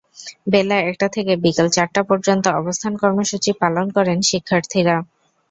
বেলা একটা থেকে বিকেল চারটা পর্যন্ত অবস্থান কর্মসূচি পালন করেন শিক্ষার্থীরা।